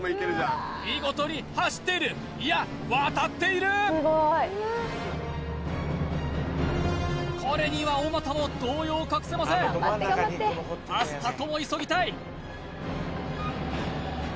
見事に走っているいや渡っているこれには小俣も動揺を隠せませんアスタコも急ぎたい